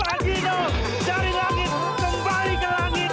pak grino dari langit kembali ke langit